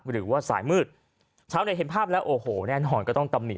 หรือว่าสายมืดชาวเน็ตเห็นภาพแล้วโอ้โหแน่นอนก็ต้องตำหนิ